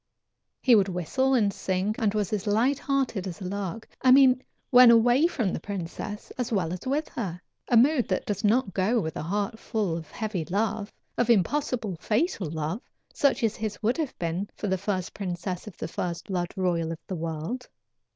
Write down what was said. He would whistle and sing, and was as light hearted as a lark I mean when away from the princess as well as with her a mood that does not go with a heart full of heavy love, of impossible, fatal love, such as his would have been for the first princess of the first blood royal of the world.